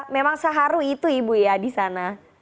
memang seharu itu ibu ya di sana